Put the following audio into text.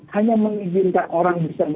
hanya mengizinkan orang bisa